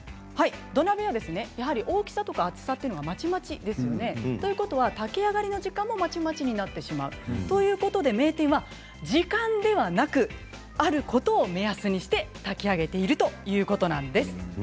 土鍋はやはり大きさとか厚さっていうのがまちまちですよね。ということは炊き上がりの時間もまちまちになってしまうということで名店は時間ではなくあることを目安にして炊き上げているということなんです。